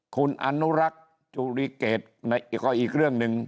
คุณอนุรักษ์จุริเกตก็อีกเรื่องหนึ่ง